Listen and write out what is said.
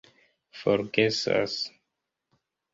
forgesas